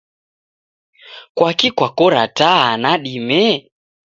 Kwaki kwakora taa nadime?